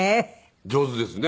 上手ですね。